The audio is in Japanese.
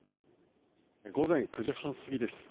午前９時半過ぎです。